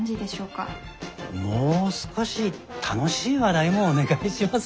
もう少し楽しい話題もお願いします。